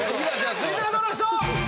続いてはこの人！